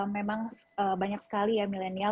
memang banyak sekali ya milenial